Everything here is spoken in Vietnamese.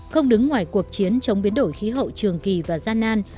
không đứng ngoài cuộc chiến chống biến đổi khí hậu trường kỳ và gian nan